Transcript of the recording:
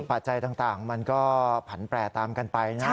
ปัจจัยต่างมันก็ผันแปรตามกันไปนะ